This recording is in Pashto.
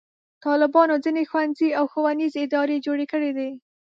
طالبانو ځینې ښوونځي او ښوونیزې ادارې جوړې کړې دي.